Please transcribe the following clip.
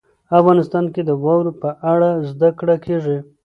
افغانستان کې د واوره په اړه زده کړه کېږي.